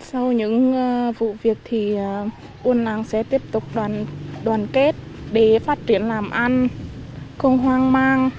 sau những vụ việc thì un sẽ tiếp tục đoàn kết để phát triển làm ăn không hoang mang